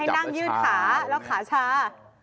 ให้ยืนขาแล้วขาช้า